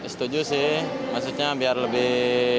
setuju sih maksudnya biar lebih